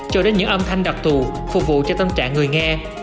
cho đến những âm thanh đặc thù phục vụ cho tâm trạng người nghe